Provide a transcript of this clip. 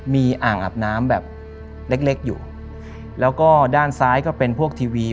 มีอ่างอาบน้ำแบบเล็กเล็กอยู่แล้วก็ด้านซ้ายก็เป็นพวกทีวี